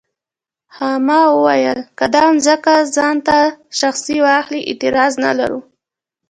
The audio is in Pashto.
خاما وویل که دا ځمکه ځان ته شخصي واخلي اعتراض نه لرو.